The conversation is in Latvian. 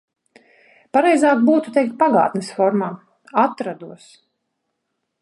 Pareizāk būtu teikt pagātnes formā – atrados.